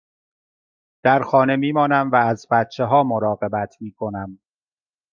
در خانه می مانم و از بچه ها مراقبت می کنم.